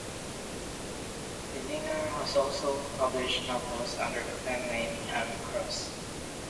Beninger has also published novels under the pen name Emme Cross.